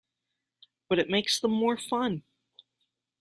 But it makes them more fun!